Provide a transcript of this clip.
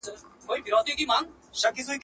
لکه ګُل د کابل حورو به څارلم.